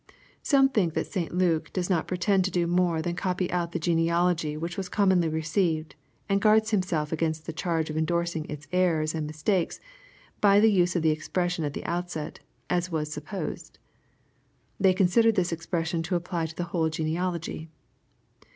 Some think that St Luke does not pretend to do more than copy out the genealogy which was commonly received, and guards himself against the charge of endorsing its errors and mistakes, by the use of the expression at the outset, "as was supposed." They consider this expression to apply to the whole genealogy.